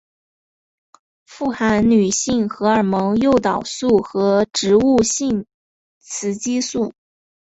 富含女性荷尔蒙诱导素和植物性雌激素。